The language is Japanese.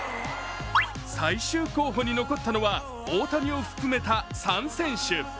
最終候補に残ったのは大谷を含めた３選手。